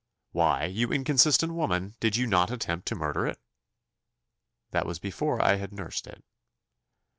"Why, you inconsistent woman, did you not attempt to murder it?" "That was before I had nursed it."